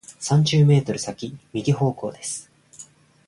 三十メートル先、右方向です。